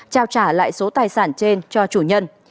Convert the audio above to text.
trao trả lại số tài sản trên cho chủ nhân